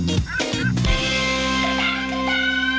เพิ่มเวลา